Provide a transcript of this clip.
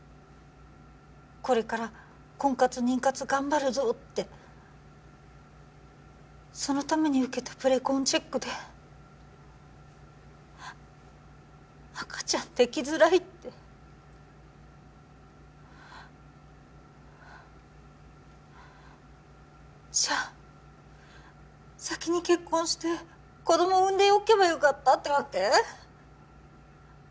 これから婚活妊活頑張るぞってそのために受けたプレコンチェックで赤ちゃんできづらいってじゃ先に結婚して子供産んでおけばよかったってわけ？